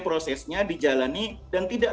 prosesnya dijalani dan tidak